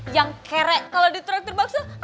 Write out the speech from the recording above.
yang kere kalo di traktor bakso